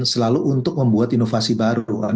kalau terlalu tinggi itu akan ber compositi boosting